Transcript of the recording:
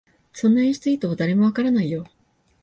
そんな演出意図、誰もわからないよ